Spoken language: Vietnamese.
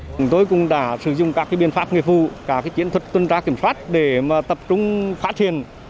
chúng tôi cũng đã sử dụng các biện pháp nghiệp vụ các chiến thuật tuần tra kiểm soát để tập trung phát triển